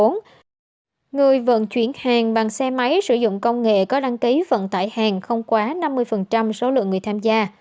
người vận chuyển hàng bằng xe máy sử dụng công nghệ có đăng ký vận tải hàng không quá năm mươi số lượng người tham gia